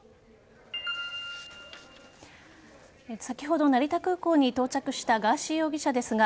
先ほど、成田空港に到着したガーシー容疑者ですが